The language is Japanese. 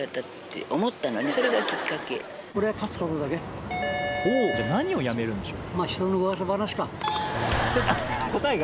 ピンポンじゃあ何をやめるんでしょう？